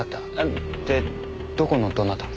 でどこのどなた？